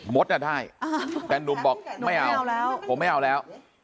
มดน่ะได้แต่หนุ่มบอกไม่เอาผมไม่เอาแล้ว